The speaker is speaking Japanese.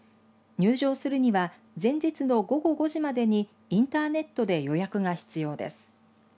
入場するには前日の午後５時までにインターネットで予約が必要です。